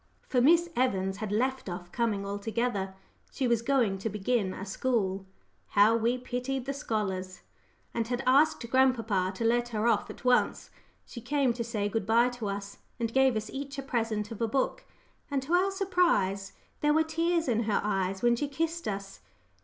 For Miss Evans had left off coming altogether. She was going to begin a school how we pitied the scholars! and had asked grandpapa to let her off at once. She came to say good bye to us, and gave us each a present of a book and, to our surprise, there were tears in her eyes when she kissed us!